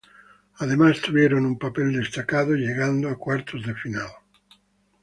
Además tuvieron un papel destacado llegando a cuartos de final.